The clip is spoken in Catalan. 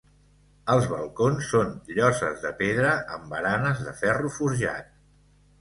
Els balcons són lloses de pedra amb baranes de ferro forjat.